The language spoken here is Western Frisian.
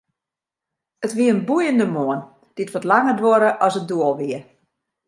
It wie in boeiende moarn, dy't wat langer duorre as it doel wie.